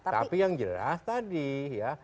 tapi yang jelas tadi ya